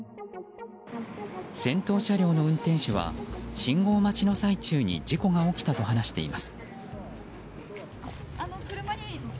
先頭車両の運転手は信号待ちの最中に事故が起きたと話しています。